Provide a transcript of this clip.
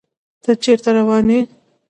ته چيرته روان يې